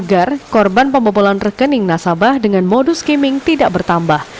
agar korban pembobolan rekening nasabah dengan modus skimming tidak bertambah